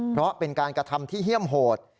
เพราะเป็นการกระทำที่เฮี่ยมโหด